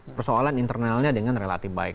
persoalan internalnya dengan relatif baik